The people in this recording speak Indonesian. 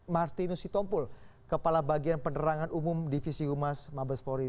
martinus sitompul kepala bagian penerangan umum divisi humas mabes polri